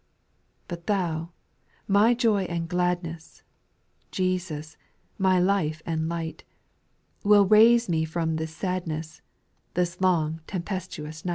8. But Thou, my joy and gladness, Jesus, my life and light. Will raise me from thia s«t^xv^^^ This long tempestuous.